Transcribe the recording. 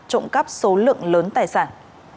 trộm cắp số lượng lớn tài sản